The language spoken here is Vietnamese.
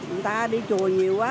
người ta đi chùa nhiều quá